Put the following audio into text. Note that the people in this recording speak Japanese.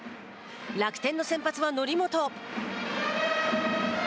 楽天の先発は則本。